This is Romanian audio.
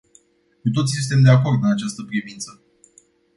Cu toții suntem de acord în această privință.